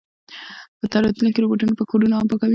په راتلونکي کې روبوټونه به کورونه هم پاکوي.